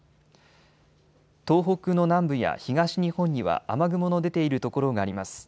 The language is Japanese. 東北の南部や東日本には雨雲の出ている所があります。